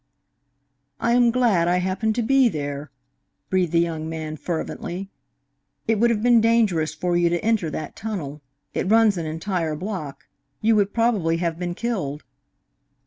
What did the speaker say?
"I am glad I happened to be there," breathed the young man fervently. "It would have been dangerous for you to enter that tunnel. It runs an entire block. You would probably have been killed."